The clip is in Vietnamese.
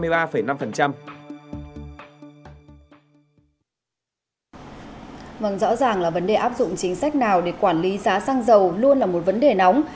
vâng rõ ràng là vấn đề áp dụng chính sách nào để quản lý giá xăng dầu luôn là một vấn đề nóng